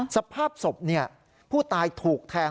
สภาพศพผู้ตายถูกแทง